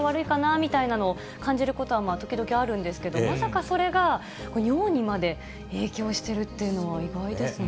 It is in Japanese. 見たいなのを感じることは、ときどきあるんですけれども、まさかそれが尿にまで影響してるっていうのは、意外ですね。